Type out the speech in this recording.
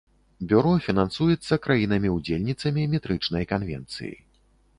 Бюро фінансуецца краінамі-удзельніцамі метрычнай канвенцыі.